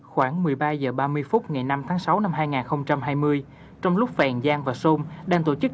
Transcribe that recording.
khoảng một mươi ba h ba mươi phút ngày năm tháng sáu năm hai nghìn hai mươi trong lúc phèn giang và sôn đang tổ chức